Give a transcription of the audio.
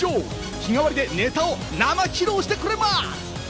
日替わりでネタを生披露してくれます！